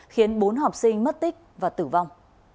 khiến bốn học sinh mất tích và tử vong